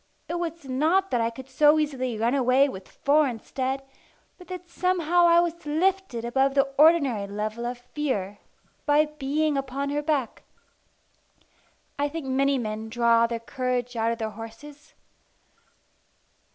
It was not that I could so easily run away with four instead, but that somehow I was lifted above the ordinary level of fear by being upon her back. I think many men draw their courage out of their horses.